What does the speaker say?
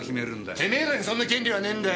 てめえらにそんな権利はねぇんだよ。